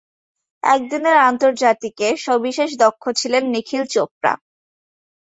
একদিনের আন্তর্জাতিকে সবিশেষ দক্ষ ছিলেন নিখিল চোপড়া।